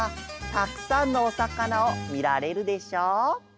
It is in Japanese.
たくさんのおさかなをみられるでしょう？